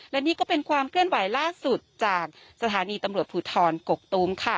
และนี่ก็เป็นความเคลื่อนไหวล่าสุดจากสถานีตำรวจภูทรกกตูมค่ะ